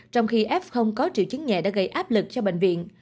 trong khi f không có triệu chứng nhẹ đã gây áp lực cho bệnh viện